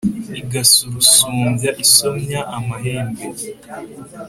igasurusumba insomya amahembe